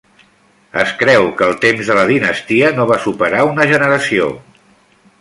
Es creu que el temps de la dinastia no va superar una generació.